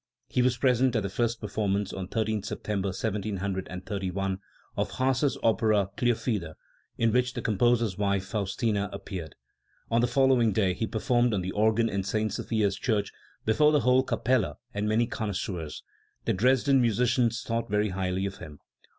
" He was present at the first performance, on I3th September 1731, of Hasse's opera Cleofide, in which the composer's wife Faustina appeared. On the following day he performed on the organ in St. Sophia's Church before the whole Kapelle and many connoisseurs. The Dresden musicians thought very highly of him.